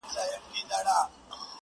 له ما پـرته وبـــل چــــــاتــــــه.